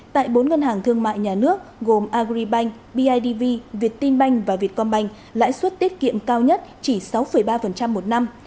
tại bốn ngân hàng thương mại nhà nước gồm agribank bidv viettin bank và vietcom bank lãi xuất tiết kiệm cao nhất chỉ sáu ba một năm